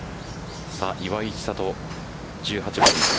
岩井千怜、１８番です。